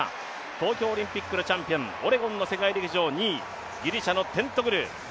東京オリンピックのチャンピオン、オレゴンの世界陸上２位、ギリシャのテントグル